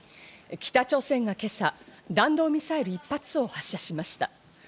北朝鮮が今朝、弾道ミサイル１発を発射しました。